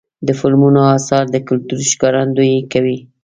د فلمونو اثار د کلتور ښکارندویي کوي.